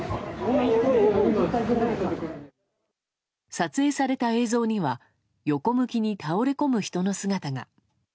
撮影された映像には横向きに倒れ込む人の姿が。